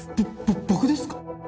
ぼ僕ですか？